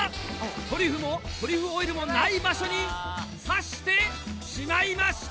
トリュフもトリュフオイルもない場所にさしてしまいました！